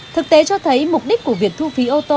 thực tế cho thấy mục đích của việc thu phí ô tô